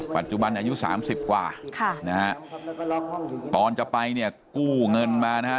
ปัจจุบันอายุสามสิบกว่าค่ะนะฮะตอนจะไปเนี่ยกู้เงินมานะฮะ